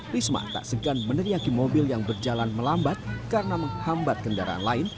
risma tak segan meneriaki mobil yang berjalan melambat karena menghambat kendaraan lain